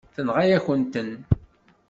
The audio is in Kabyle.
Tenɣa-yakent-ten.